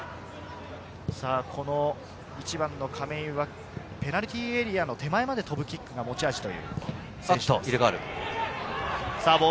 亀井はペナルティーエリアの手前まで飛ぶキックが持ち味です。